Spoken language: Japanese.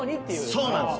そうなんです。